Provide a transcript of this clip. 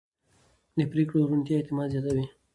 د پرېکړو روڼتیا اعتماد زیاتوي